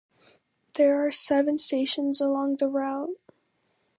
There are seven stations along the route.